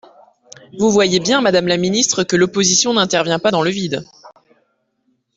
Vous voyez bien, madame la ministre, que l’opposition n’intervient pas dans le vide.